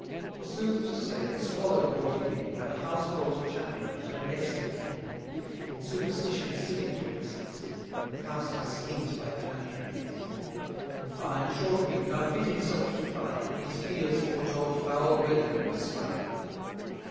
For, sooth to say, the Swallow brought him in, Her household chaplain, and her next of kin: 470 In superstition silly to excess, And casting schemes by planetary guess: In fine, short wing'd, unfit himself to fly, His fears foretold foul weather in the sky.